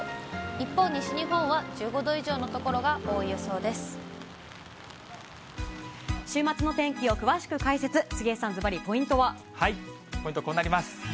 一方、西日本は１５度以上の所が週末の天気を詳しく解説、杉江さん、ポイント、こうなります。